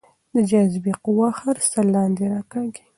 د جاذبې قوه هر څه لاندې راکاږي.